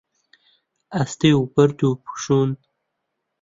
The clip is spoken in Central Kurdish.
ئەستێ و بەرد و پووشوون